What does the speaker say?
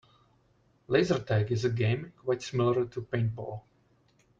Laser tag is a game quite similar to paintball.